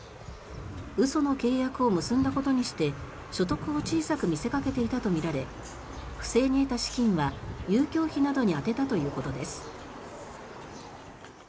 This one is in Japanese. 嘘の契約を結んだことにして所得を小さく見せかけていたとみられ不正に得た資金は遊興費などに充てたということです。